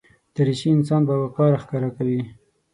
دریشي انسان باوقاره ښکاره کوي.